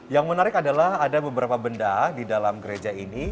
yang menarik adalah ada beberapa benda di dalam gereja ini